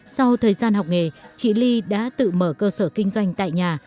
sau thời gian học nghề chị ly đã tự mở cơ sở kinh doanh tại nhà